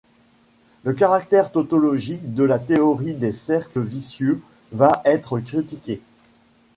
Le caractère tautologique de la théorie des cercles vicieux va être critiqué.